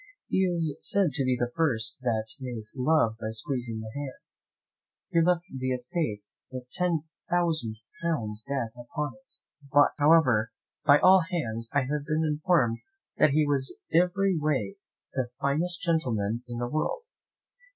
He is said to be the first that made love by squeezing the hand. He left the estate with ten thousand pounds debt upon it; but, however, by all hands I have been informed that he was every way the finest gentleman in the world.